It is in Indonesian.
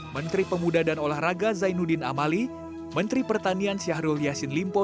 menteri pemuda dan olahraga zainuddin amali menteri pertanian syahrul yassin limpo